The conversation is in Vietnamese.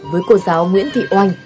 với cô giáo nguyễn thị oanh